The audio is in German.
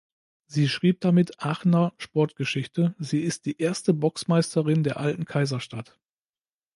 Sie schrieb damit Aachener Sportgeschichte: Sie ist die erste Box-Meisterin der alten Kaiserstadt.